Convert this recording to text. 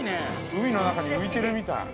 ◆海の中に浮いてるみたい。